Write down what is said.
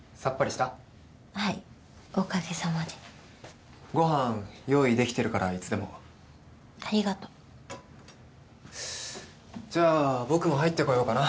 はいおかげさまでごはん用意できてるからいつでもありがとうじゃあ僕も入ってこようかな